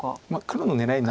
黒の狙い